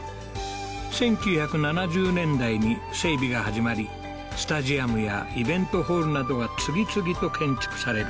１９７０年代に整備が始まりスタジアムやイベントホールなどが次々と建築される